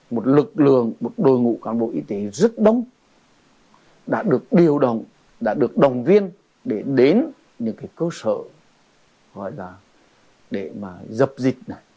một lực lượng một đội ngũ cán bộ y tế rất đông đã được điều động đã được đồng viên để đến những cơ sở gọi là để mà dập dịch